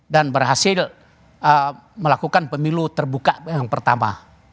dan berhasil melakukan pemilu terbuka yang pertama